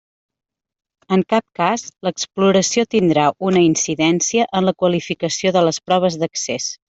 En cap cas l'exploració tindrà una incidència en la qualificació de les proves d'accés.